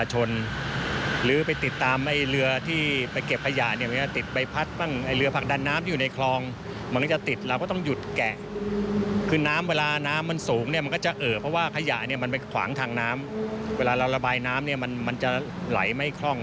หลังทางน้ำเวลาเราระบายน้ำมันจะไหลไม่คล่อง